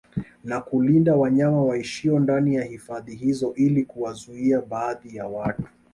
Na kulinda wanyama waishio ndani ya hifadhi hizo ili kuwazuia baadhi ya watu